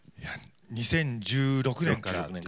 ２０１６年から。